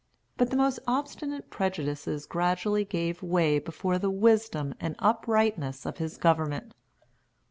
But the most obstinate prejudices gradually gave way before the wisdom and uprightness of his government.